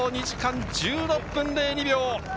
２時間１６分０２秒。